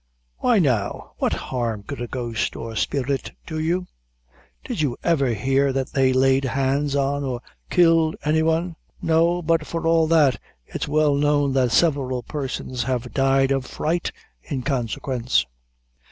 "Why, now? What harm could a ghost or spirit do you? Did you ever hear that they laid hands on or killed any one?" "No; but for all that, it's well known that several persons have died of fright, in consequence."